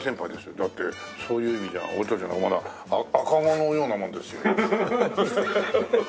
だってそういう意味では俺たちはまだ赤子のようなもんですよ。